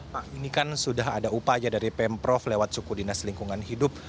pak ini kan sudah ada upaya dari pemprov lewat suku dinas lingkungan hidup